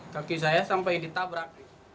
kaki saya sampai ditabrak